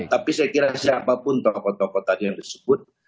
tapi saya kira siapapun tokoh tokoh tadi yang disebut